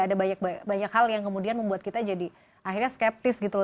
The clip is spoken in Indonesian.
ada banyak hal yang kemudian membuat kita jadi akhirnya skeptis gitu loh